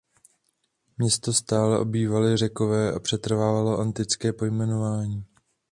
Město stále obývali Řekové a přetrvalo antické pojmenování.